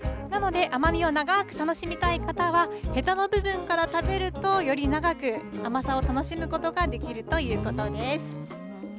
なので甘みを長く楽しみたい方は、へたの部分から食べると、より長く甘さを楽しむことができるということです。